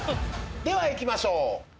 ではいきましょう。